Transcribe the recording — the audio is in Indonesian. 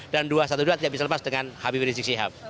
dan dua ratus dua belas tidak bisa lepas dengan habib rizik syihab